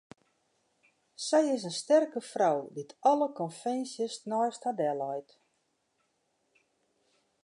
Sy is in sterke frou dy't alle konvinsjes neist har delleit.